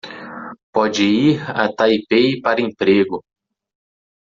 Pode ir a Taipei para emprego